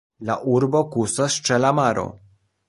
La urbo kuŝas ĉe la maro.